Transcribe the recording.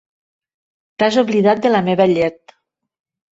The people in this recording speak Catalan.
T'has oblidat de la meva llet.